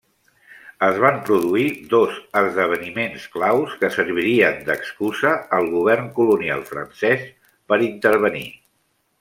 Es van produir dos esdeveniments claus que servirien d'excusa al govern colonial francès per intervenir.